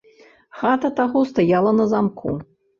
Хата таго стаяла на замку.